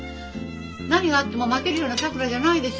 何があっても負けるようなさくらじゃないでしょ？